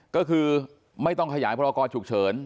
ก็คือไม่ต้องขยายพรกรฉุกเฉิน